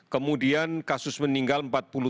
kemudian kasus meninggal empat puluh tujuh